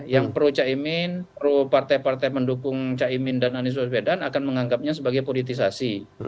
yang pro caimin pro partai partai pendukung caimin dan anies wasbedan akan menganggapnya sebagai politisasi